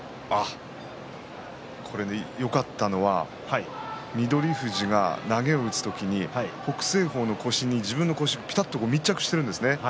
よかったのは翠富士は投げを打つ時に北青鵬の腰に自分の腰がぴたっと密着しているんですよね。